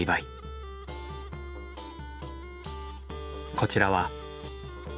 こちらは。